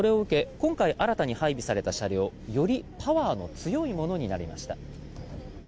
今回新たに配備された車両はよりパワーの強いものになりました。